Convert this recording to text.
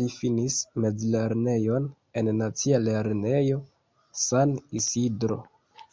Li finis mezlernejon en Nacia Lernejo San Isidro.